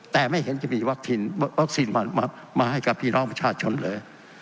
แต่ไม่เห็นจะมีวัคซีนวัคซีนมาให้กับพี่น้องประชาชนเลย